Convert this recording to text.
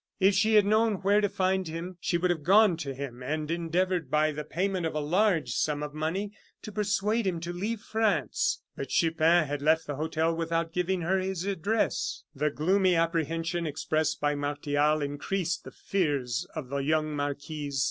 If she had known where to find him, she would have gone to him, and endeavored, by the payment of a large sum of money, to persuade him to leave France. But Chupin had left the hotel without giving her his address. The gloomy apprehension expressed by Martial increased the fears of the young marquise.